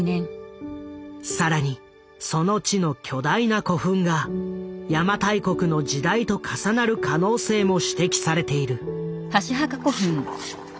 更にその地の巨大な古墳が邪馬台国の時代と重なる可能性も指摘されている。